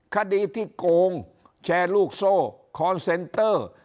คดีที่โกงแชร์ลูกโซ่คอนเซนเตอร์